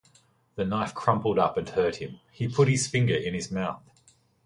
The knife crumpled up and hurt him; he put his finger in his mouth.